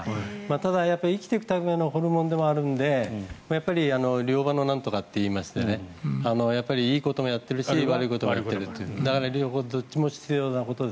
ただ生きていくためのホルモンでもあるので両刃のなんとかといいましていいこともやっているし悪いこともやっているという。